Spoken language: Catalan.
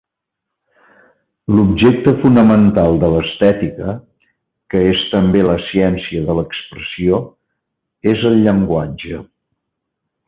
L'objecte fonamental de l'estètica —que és també la ciència de l'expressió— és el llenguatge.